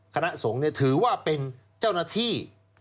คณะสงฆ์ถือว่าเป็นเจ้าหน้าที่